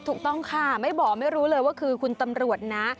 ถูกต้องค่ะไม่บอกไม่รู้เลยว่าคือคุณตำรวจนะ